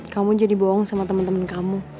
kamu jadi bohong sama temen temen kamu